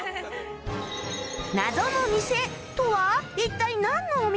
謎の店とは一体なんのお店なのか？